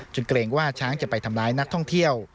เกรงว่าช้างจะไปทำร้ายนักท่องเที่ยว